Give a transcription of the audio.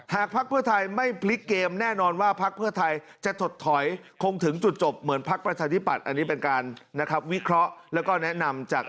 หากพรรคเฟอร์ไม่ปลีกเกมแน่นอนว่าพรรคเฟอร์ไทยจะถดถอยคงถึงจุดจบเหมือน